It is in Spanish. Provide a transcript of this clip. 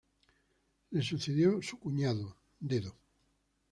Le sucedió su cuñado, Dedo.